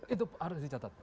itu harus dicatat